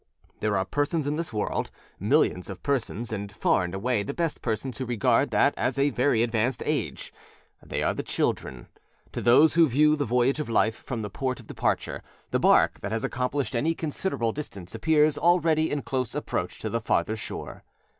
There are persons in this world, millions of persons, and far and away the best persons, who regard that as a very advanced age. They are the children. To those who view the voyage of life from the port of departure the bark that has accomplished any considerable distance appears already in close approach to the farther shore.